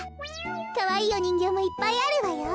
かわいいおにんぎょうもいっぱいあるわよ。